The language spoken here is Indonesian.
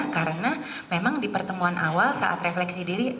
karena memang di pertemuan awal saat refleksi diri